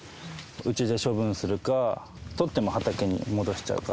うちで処分するか、取っても畑に戻しちゃうか。